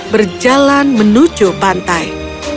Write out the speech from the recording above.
berjalan menuju pantai